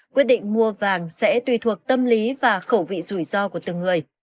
quyết định mua vàng sẽ tùy thuộc tâm lý và khẩu vị rủi ro của từng người